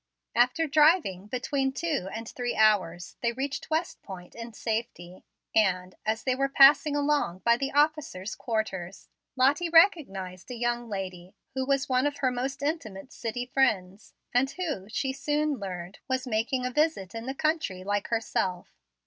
After driving between two and three hours, they reached West Point in safety, and, as they were passing along by the officers' quarters, Lottie recognized a young lady who was one of her most intimate city friends, and who, she soon learned, was making a visit in the country, like herself.